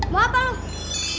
mau apa lu